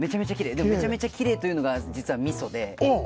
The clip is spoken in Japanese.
でもめちゃめちゃきれいというのがじつはみそで。